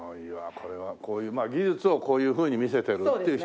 これはこういうまあ技術をこういうふうに見せてるっていう一つが。